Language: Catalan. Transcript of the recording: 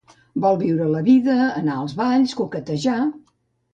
Vol viure la vida, anar als balls, coquetejar.